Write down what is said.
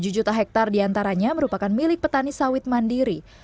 tujuh juta hektare diantaranya merupakan milik petani sawit mandiri